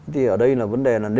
thì ở đây là vấn đề là